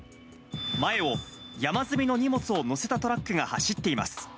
前を、山積みの荷物を載せたトラックが走っています。